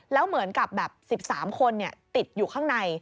แล้วเหมือนกับแบบ๑๓คนติดอยู่ข้างใน